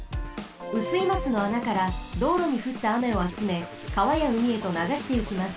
雨水ますの穴からどうろにふったあめをあつめかわやうみへとながしてゆきます。